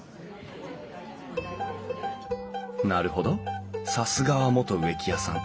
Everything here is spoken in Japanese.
なるほどさすがは元植木屋さん。